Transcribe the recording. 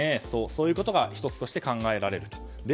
そういうことが１つとして考えられると。